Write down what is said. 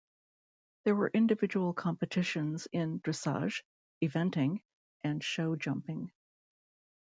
There were individual competitions in dressage, eventing, and show jumping.